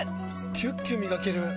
キュッキュ磨ける！